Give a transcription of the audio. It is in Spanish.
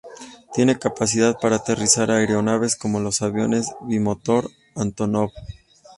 Tiene capacidad para aterrizar aeronaves como los aviones bimotor Antonov.